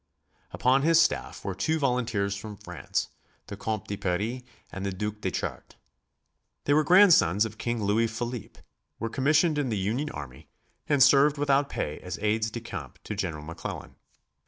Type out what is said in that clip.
Upon his staff were two volunteers from France, the Compte de Paris and the Duc de Chartres. They were grandsons of King Louis Philippe, were commissioned in the Union army and served without pay as aides de camp to General McClellan.